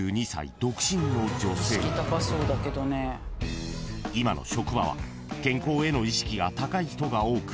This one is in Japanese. ［今の職場は健康への意識が高い人が多く］